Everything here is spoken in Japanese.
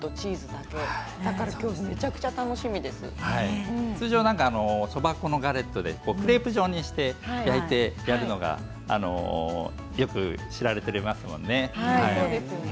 だからきょうは通常そば粉のガレットでクレープ状にして焼いてやるのがよく知られていますよね。